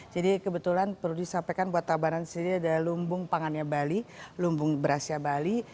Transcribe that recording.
jadi kebetulan perlu disampaikan buat tabanan sendiri adalah lumbung pangannya bali lumbung berasnya bali